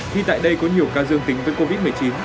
khi tại đây có nhiều ca dương tính với covid một mươi chín